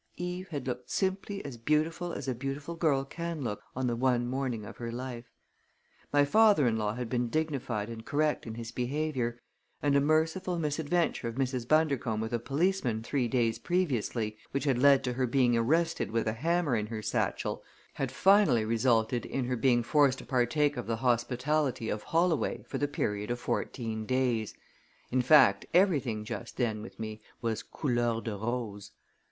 Eve had looked simply as beautiful as a beautiful girl can look on the one morning of her life. My father in law had been dignified and correct in his behavior, and a merciful misadventure of Mrs. Bundercombe with a policeman three days previously, which had led to her being arrested with a hammer in her satchel, had finally resulted in her being forced to partake of the hospitality of Holloway for the period of fourteen days; in fact, everything just then with me was couleur de rose.